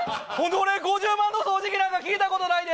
俺、５０万の掃除機なんて聞いたことないで。